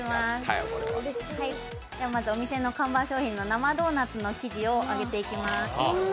まずお店の看板商品の生ドーナツの生地を揚げていきます。